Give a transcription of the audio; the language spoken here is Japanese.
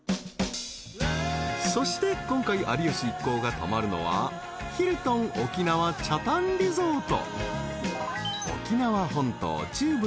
［そして今回有吉一行が泊まるのはヒルトン沖縄北谷リゾート］